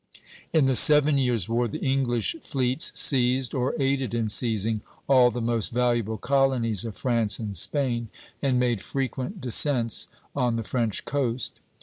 In the Seven Years' War the English fleets seized, or aided in seizing, all the most valuable colonies of France and Spain, and made frequent descents on the French coast.